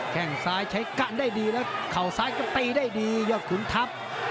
แค่งซ้ายใช้การได้ดีแล้วเข่าซ้ายก็ตีได้ดียอดขุนทัพ